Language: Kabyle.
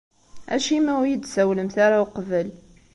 Acimi ur iyi-d-tessawlemt ara uqbel?